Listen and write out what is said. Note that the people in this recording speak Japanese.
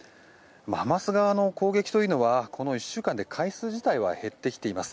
ハマス側の攻撃はこの１週間で回数自体は減ってきています。